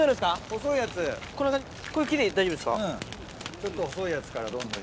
ちょっと細いやつからどんどん。